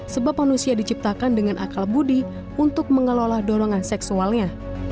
sebab manusia diciptakan dengan akal budi untuk mengelola donongan seksualnya